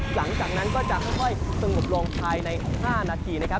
หลังจากนั้นก็จะค่อยสงบลงภายใน๕นาทีนะครับ